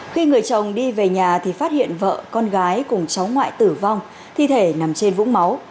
khi người chồng đi về nhà thì phát hiện vợ con gái cùng cháu ngoại tử vong thi thể nằm trên vũng máu